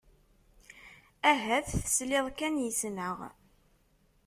Ahat tesliḍ kan yes-neɣ.